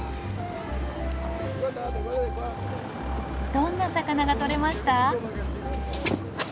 どんな魚が取れました？